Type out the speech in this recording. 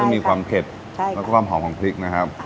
ซึ่งมีความเผ็ดและความหอมของพริกนะครับ